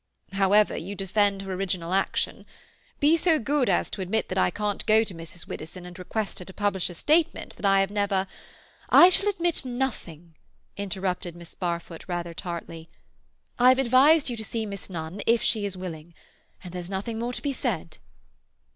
"However, you defend her original action. Be so good as to admit that I can't go to Mrs. Widdowson and request her to publish a statement that I have never—" "I shall admit nothing," interrupted Miss Barfoot rather tartly. "I have advised you to see Miss Nunn—if she is willing. And there's nothing more to be said."